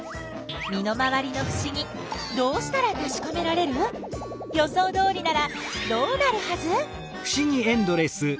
身の回りのふしぎどうしたらたしかめられる？予想どおりならどうなるはず？